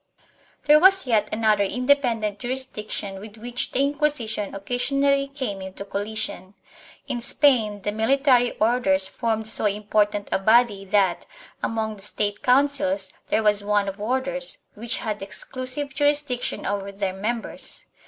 2 There was yet another independent jurisdiction with which the Inquisition occasionally came into collision. In Spain the Mili tary Orders formed so important a body that, among the State Councils, there was one of Orders, which had exclusive jurisdiction over their members.